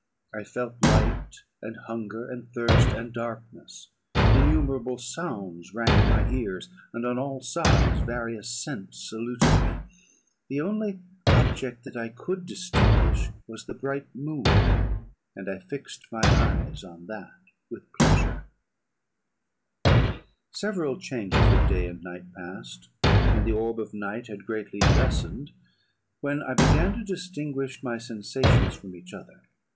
I felt light, and hunger, and thirst, and darkness; innumerable sounds rung in my ears, and on all sides various scents saluted me: the only object that I could distinguish was the bright moon, and I fixed my eyes on that with pleasure. [Footnote 2: The moon.] "Several changes of day and night passed, and the orb of night had greatly lessened, when I began to distinguish my sensations from each other.